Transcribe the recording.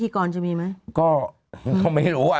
ก็เขาไม่รู้อ่ะ